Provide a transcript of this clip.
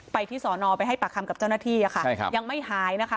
ไปที่สอนอไปให้ปากคำกับเจ้าหน้าที่อะค่ะใช่ครับยังไม่หายนะคะ